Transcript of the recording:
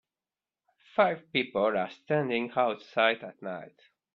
Five people are standing outside at night.